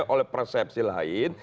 oleh persepsi lain